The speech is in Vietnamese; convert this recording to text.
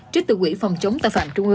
trích từ quỹ phòng chống tài phạm trung ương